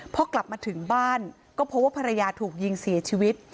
พอกลับมาถึงบ้านก็พบว่าภรรยาถูกยิงเสียชีวิต